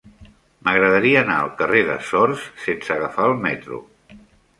M'agradaria anar al carrer de Sors sense agafar el metro.